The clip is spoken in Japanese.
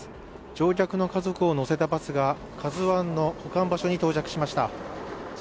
乗客の家族を載せたバスが「ＫＡＺＵⅠ」の保管場所に到着しました。